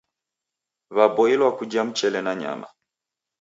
Waboilwa kujha mchele na nyama.